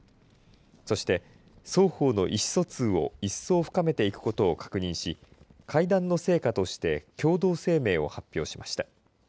そして双方の意思疎通を一層深めていくことを確認し会談の成果として共同声明を発表しました。